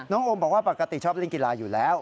โอมบอกว่าปกติชอบเล่นกีฬาอยู่แล้ว